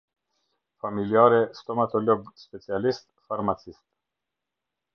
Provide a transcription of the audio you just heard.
Familjare, Stomatolog Specialist, Farmacist.